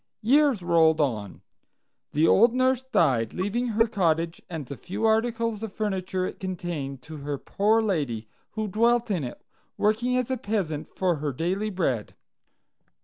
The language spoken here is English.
Years rolled on. The old nurse died, leaving her cottage and the few articles of furniture it contained to her poor lady, who dwelt in it, working as a peasant for her daily bread.